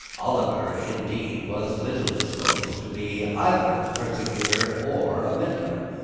Oliver, indeed, was little disposed to be either a persecutor or a meddler.